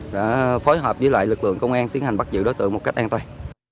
đã phối hợp với lại lực lượng công an tiến hành bắt giữ đối tượng một cách an toàn